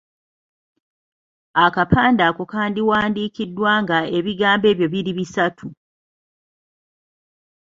Akapande ako kandiwandiikiddwa nga ebigambo ebyo biri bisatu.